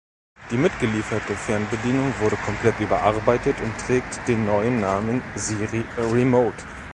Die mitgelieferte Fernbedienung wurde komplett überarbeitet und trägt den neuen Namen Siri Remote.